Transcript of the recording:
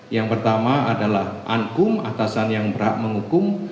yang pertama adalah anggum atasan yang berat menggunakan